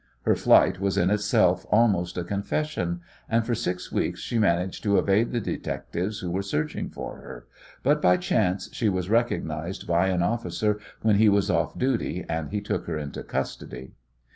Her flight was in itself almost a confession, and for six weeks she managed to evade the detectives who were searching for her, but by chance she was recognized by an officer when he was off duty, and he took her into custody.